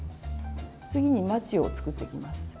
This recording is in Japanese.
次にまちを作っていきます。